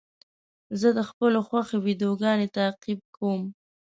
زه د خپلو خوښې ویډیوګانو تعقیب کوم.